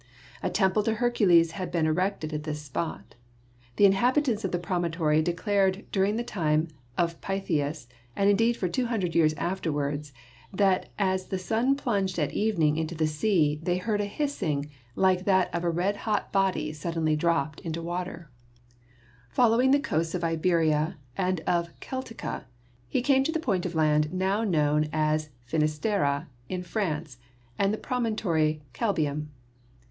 A temple to Hercules had been erected at this spot. The inhabitants of the promontory declared during the time of Pytheas and indeed for two hundred years afterward that as the sun plunged at evening into the sea they heard a hissing like that of a red hot body suddenly dropped into water. THE BEGINNINGS OF CARTOGRAPHY 23 Following the coasts of Iberia and of Celtica, he came to the point of land now known as Finisterre, in France, and the promontory Calbium.